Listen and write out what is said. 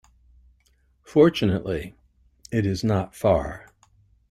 Fortunately it is not far.